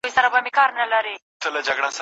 زړه او سر مي وه په لاس کي ستا د زلفو دام ته راغلم